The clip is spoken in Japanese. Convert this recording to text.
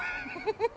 フフフフ！